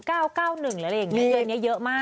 ๑๙๙๑อะไรแหละเอง